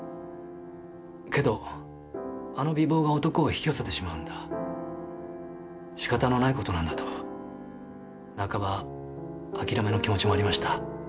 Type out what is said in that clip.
けどあの美貌が男を引き寄せてしまうんだ仕方のない事なんだと半ば諦めの気持ちもありました。